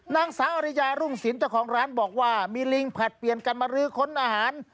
นางสาวอริยารุ่งศิลป์เจ้าของร้านบอกว่ามีลิงผลัดเปลี่ยนกันมาลื้อค้นอาหาร